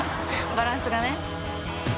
バランスがね。